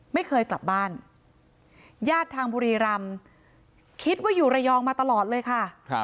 ไม่เคยกลับบ้านญาติทางบุรีรำคิดว่าอยู่ระยองมาตลอดเลยค่ะ